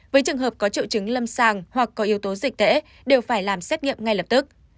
với trường hợp có triệu chứng lâm sàng hoặc có yếu tố dịch tễ đều phải làm xét nghiệm ngay lập tức